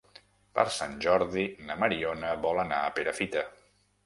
Per Sant Jordi na Mariona vol anar a Perafita.